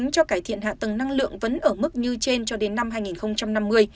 cho cải thiện hạ tầng năng lượng vẫn ở mức như trên cho đến năm hai nghìn năm mươi